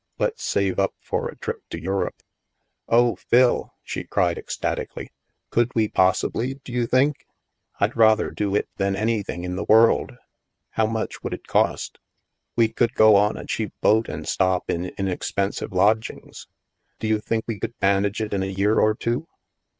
Let's save up for a trip to Europe." THE MAELSTROM 159 " Oh, Phil," she cried ecstatically, " could we pos sibly, do you think? Fd rather do it than any thing in the world. How much would it cost ? We could go on a cheap boat and stop in inexpensive lodgings? Do you think we could manage it in a year or two